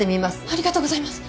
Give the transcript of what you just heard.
ありがとうございます。